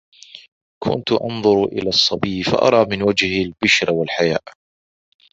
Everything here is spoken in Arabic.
كُنْتُ أَنْظُرُ إلَى الصَّبِيِّ فَأَرَى مِنْ وَجْهِهِ الْبِشْرَ وَالْحَيَاءَ